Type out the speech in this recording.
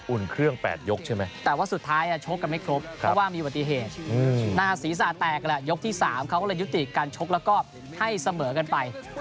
เครื่อง๘ยกใช่ไหมแต่ว่าสุดท้ายชกกันไม่ครบเพราะว่ามีอุบัติเหตุหน้าศีรษะแตกแหละยกที่๓เขาก็เลยยุติการชกแล้วก็ให้เสมอกันไป